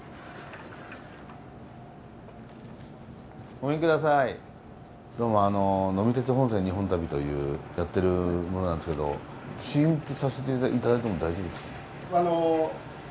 ごめん下さいどうもあの「呑み鉄本線・日本旅」というやってるものなんですけど試飲ってさせて頂いても大丈夫ですか？